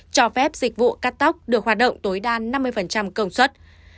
cho phép dịch vụ cắt tóc được hoạt động tối đa năm mươi công suất